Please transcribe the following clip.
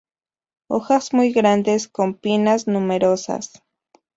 Hojas muy grandes con pinnas numerosas.